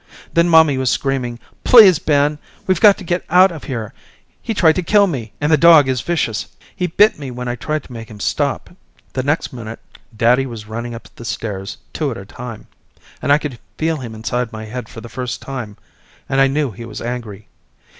Then mommy was screaming please, Ben, we've got to get out of here, he tried to kill me, and the dog is vicious, he bit me when I tried to make him stop. The next minute daddy was running up the stairs two at a time and I could feel him inside my head for the first time and I knew he was angry.